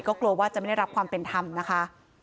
ก็กลัวว่าจะไม่ได้รับความเป็นธรรมนะคะ